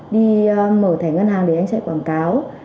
đi mở thẻ ngân hàng để anh chạy quảng cáo